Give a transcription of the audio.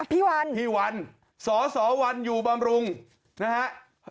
พี่วันพี่วันสสวันอยู่บำรุงนะฮะ